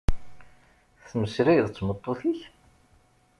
Tmeslayeḍ d tmeṭṭut-ik?